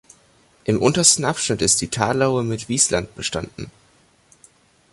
Im untersten Abschnitt ist die Talaue mit Wiesland bestanden.